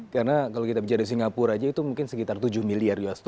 karena kalau kita berada di singapura itu mungkin sekitar tujuh miliar usd